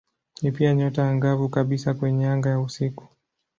Ni pia nyota angavu kabisa kwenye anga ya usiku.